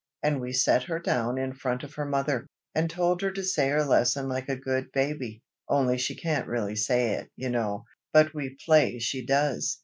"And we set her down in front of her mother, and told her to say her lesson like a good baby, only she can't really say it, you know, but we play she does.